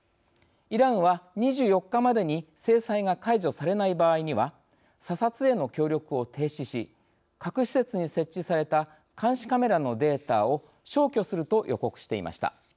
イランは２４日までに制裁が解除されない場合には査察への協力を停止し核施設に設置された監視カメラのデータを消去すると予告していました。